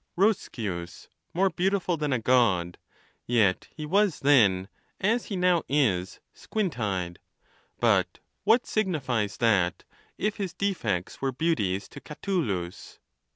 Roscius more beautiful than a God ! yet he was then, as he now is, squint eyed. But what signifies that, if his de fects were beauties to Catulus